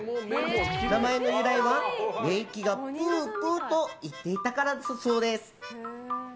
名前の由来は、寝息がプープーといっていたからだそうです。